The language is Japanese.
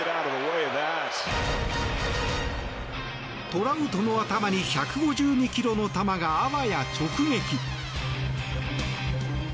トラウトの頭に１５２ｋｍの球があわや直撃。